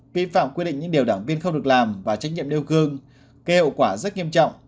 vi phạm quy định những điều đảng viên không được làm và trách nhiệm nêu gương gây hậu quả rất nghiêm trọng